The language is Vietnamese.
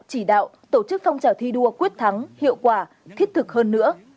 chỉ đạo tổ chức phong trào thi đua quyết thắng hiệu quả thiết thực hơn nữa